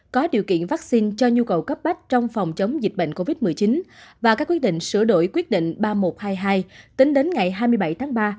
có điều kiện vaccine cho nhu cầu cấp bách trong phòng chống dịch bệnh covid một mươi chín và các quyết định sửa đổi quyết định ba nghìn một trăm hai mươi hai tính đến ngày hai mươi bảy tháng ba